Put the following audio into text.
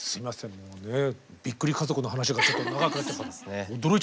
もうねびっくり家族の話がちょっと長くなっちゃった。